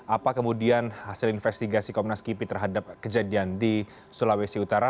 apa kemudian hasil investigasi komnas kipi terhadap kejadian di sulawesi utara